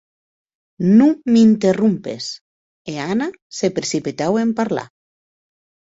Non m'interrompes, e Anna se precipitaue en parlar.